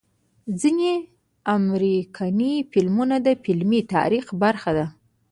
ځنې امريکني فلمونه د فلمي تاريخ برخه ده